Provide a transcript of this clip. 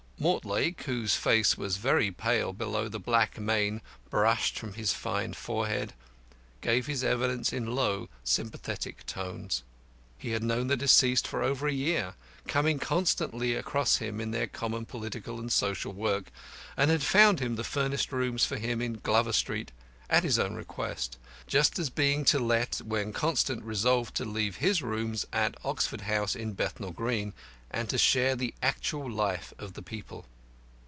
Mortlake whose face was very pale below the black mane brushed back from his fine forehead gave his evidence in low, sympathetic tones. He had known the deceased for over a year, coming constantly across him in their common political and social work, and had found the furnished rooms for him in Glover Street at his own request, they just being to let when Constant resolved to leave his rooms at Oxford House in Bethnal Green, and to share the actual life of the people.